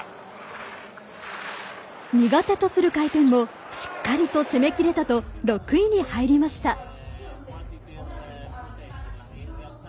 苦手とする回転もしっかりと攻めきれたと６位に入りました。